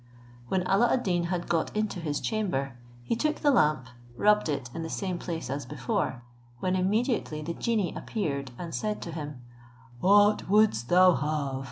When Alla ad Deen had got into his chamber, he took the lamp, rubbed it in the same place as before, when immediately the genie appeared, and said to him, "What wouldst thou have?